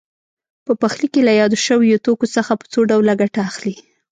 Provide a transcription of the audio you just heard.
په پخلي کې له یادو شویو توکو څخه په څو ډوله ګټه اخلي.